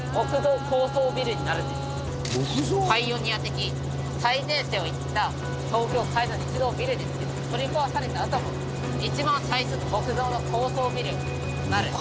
パイオニア的最前線をいった東京海上日動ビルですけど取り壊されたあとも一番最初の木造の高層ビルになる。